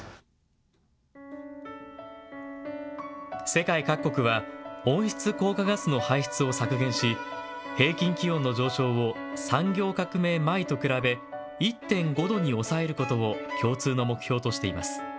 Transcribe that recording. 世界各国は温室効果ガスの排出を削減し平均気温の上昇を産業革命前と比べ１．５度に抑えることを共通の目標としています。